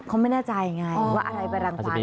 เขาไม่แน่ใจไงว่าอะไรไปรังความ